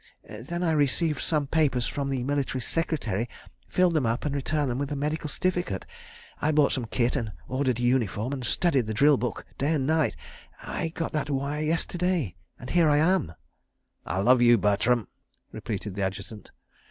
"Then I received some papers from the Military Secretary, filled them up, and returned them with a medical certificate. I bought some kit and ordered a uniform, and studied the drill book night and day. ... I got that wire yesterday—and here I am." "I love you, Bertram," repeated the Adjutant.